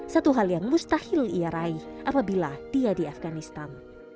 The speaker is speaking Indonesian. satu hal yang mustahil ia raih apabila dia di afganistan